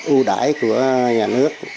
ưu đãi của nhà nước